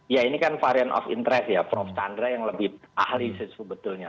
ya ini kan varian of interest ya prof chandra yang lebih ahli sebetulnya